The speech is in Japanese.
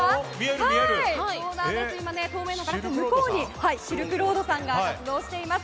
ちょうど今透明のガラスの向こうでシルクロードさんが活動しています。